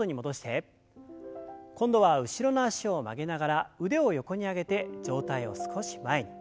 今度は後ろの脚を曲げながら腕を横に上げて上体を少し前に。